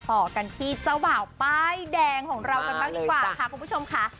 ต่อกันที่เจ้าบ่าวป้ายแดงของเรากันบ้างดีกว่าค่ะคุณผู้ชมค่ะ